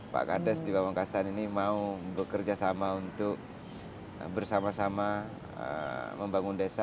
pak kades di pamengkasan ini mau bekerja sama untuk bersama sama membangun desa